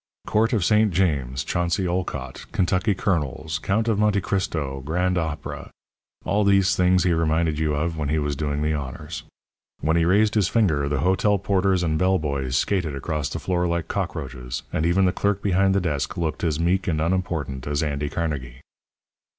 Court of Saint James, Chauncy Olcott, Kentucky colonels, Count of Monte Cristo, grand opera all these things he reminded you of when he was doing the honours. When he raised his finger the hotel porters and bell boys skated across the floor like cockroaches, and even the clerk behind the desk looked as meek and unimportant as Andy Carnegie.